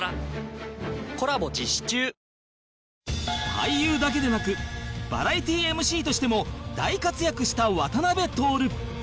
俳優だけでなくバラエティー ＭＣ としても大活躍した渡辺徹